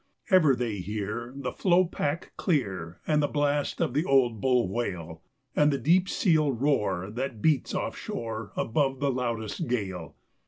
Ever they hear the floe pack clear, and the blast of the old bull whale, And the deep seal roar that beats off shore above the loudest gale.